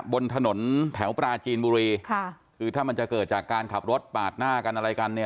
บนถนนแถวปราจีนบุรีค่ะคือถ้ามันจะเกิดจากการขับรถปาดหน้ากันอะไรกันเนี่ย